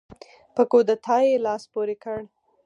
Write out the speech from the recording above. په کودتا یې لاس پورې کړ.